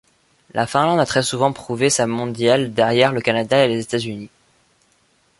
La Finlande a très souvent prouvé sa mondiale, derrière le Canada et les États-Unis.